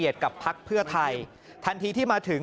ทันทีที่มาถึง